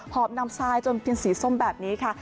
อบนำทรายจนเป็นสีส้มแบบนี้ค่ะ